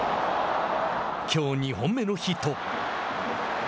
きょう２本目のヒット。